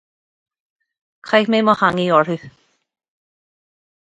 Chaith mé mo theanga orthu.